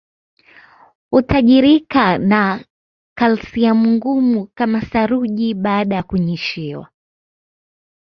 Hutajirika na kalsiamu ngumu kama saruji baada ya kunyeshewa